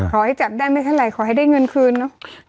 ขอให้จับได้ไม่เท่าไหร่ขอให้ได้เงินคืนเนอะ